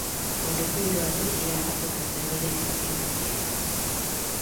Honako hiru hauek dira Aton asteroideen artean handienak.